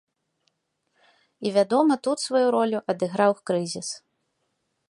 І, вядома, тут сваю ролю адыграў крызіс.